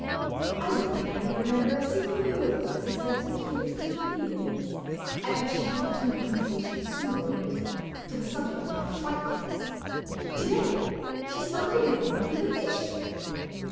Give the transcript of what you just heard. I don't think I can remember a single meal with her since I was a kid of tender years at which she didn't turn the conversa¬ tion sooner or later to the subject of my frightfulness. To day, she started in on me with the fish.